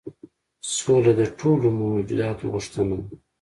سوله د ټولو موجوداتو غوښتنه ده.